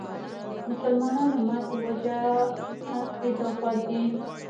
مسلمانانو ماتې وجه اضافات دي.